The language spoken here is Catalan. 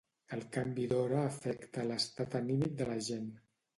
El canvi d'hora afecta l'estat anímic de la gent.